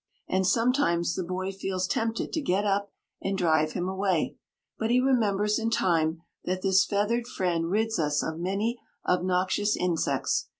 And sometimes the boy feels tempted to get up and drive him away, but he remembers in time that this feathered friend rids us of many obnoxious insects.